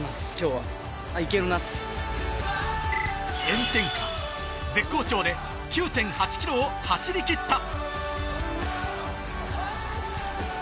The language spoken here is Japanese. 炎天下絶好調で９．８ｋｍを走り切った！